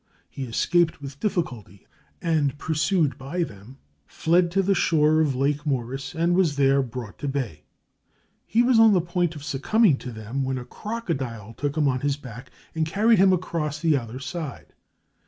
He escaped with difficulty and, pursued by them, fled to the shore of Lake Moeris, and was there brought to bay; he was on the point of succumbing to them, when a crocodile took him on his back and carried him across to the other side.